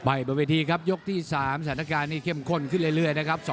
บนเวทีครับยกที่๓สถานการณ์นี้เข้มข้นขึ้นเรื่อยนะครับ